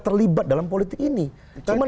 terlibat dalam politik ini cuma